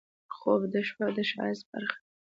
خوب د شپه د ښایست برخه ده